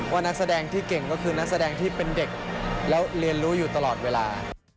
นักแสดงที่เก่งก็คือนักแสดงที่เป็นเด็กแล้วเรียนรู้อยู่ตลอดเวลา